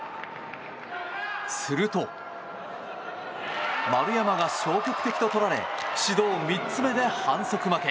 すると、丸山が消極的ととられ指導３つ目で反則負け。